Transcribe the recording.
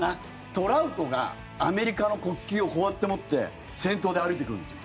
トラウトが、アメリカの国旗をこうやって持って先頭で歩いてくるんですよ。